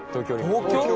東京？